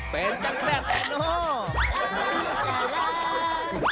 เป็นจังแซ่นแน่เนาะ